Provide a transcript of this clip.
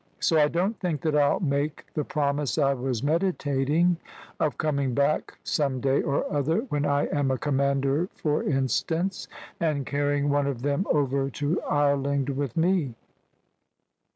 "So I don't think that I'll make the promise I was meditating, of coming back some day or other, when I am a commander for instance, and carrying one of them over to Ireland with me."